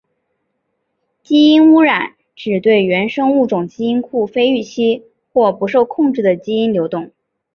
基因污染指对原生物种基因库非预期或不受控制的基因流动。